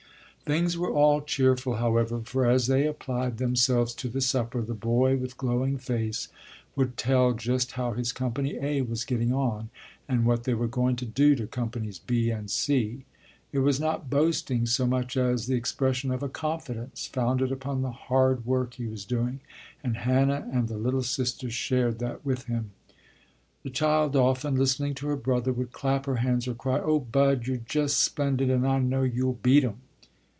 Things were all cheerful, however, for as they applied themselves to the supper, the boy, with glowing face, would tell just how his company "A" was getting on, and what they were going to do to companies "B" and "C." It was not boasting so much as the expression of a confidence, founded upon the hard work he was doing, and Hannah and the "little sister" shared that with him. The child often, listening to her brother, would clap her hands or cry, "Oh, Bud, you're just splendid an' I know you'll beat 'em."